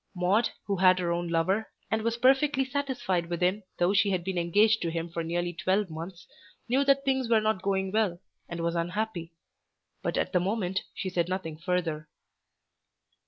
Maude who had her own lover, and was perfectly satisfied with him though she had been engaged to him for nearly twelve months, knew that things were not going well, and was unhappy. But at the moment she said nothing further.